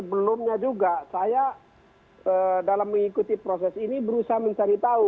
dan kemudiannya juga saya dalam mengikuti proses ini berusaha mencari tahu